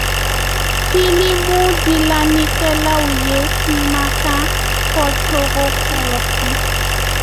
Filimu dilannikɛlaw ye kumakan fɔcogo kɔlɔsi.